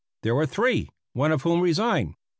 There were three, one of whom resigned.